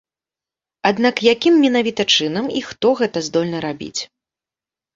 Аднак якім менавіта чынам і хто гэта здольны рабіць?